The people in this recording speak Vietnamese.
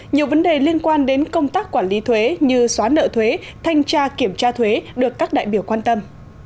nhiều vấn đề liên quan đến công tác quản lý thuế như xóa nợ thuế thanh tra kiểm tra thuế được các đại biểu quan tâm